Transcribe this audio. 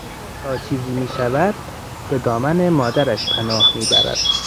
تا چیزی میشود به دامن مادرش پناه میبرد.